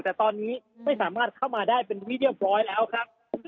แต่ตอนนี้ไม่สามารถเข้ามาได้เป็นที่เรียบร้อยแล้วครับ